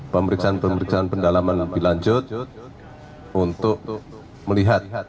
pemeriksaan pemeriksaan pendalaman yang dilanjut untuk melihat